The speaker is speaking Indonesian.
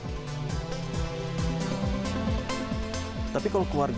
tetap bersama kami di good morning